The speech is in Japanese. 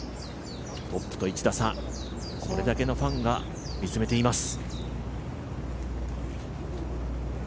トップと１打差、これだけのファンが見つめています。